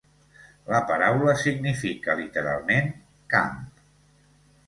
La paraula significa literalment 'camp'.